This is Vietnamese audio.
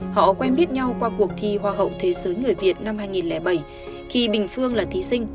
họ quen biết nhau qua cuộc thi hoa hậu thế giới người việt năm hai nghìn bảy khi bình phương là thí sinh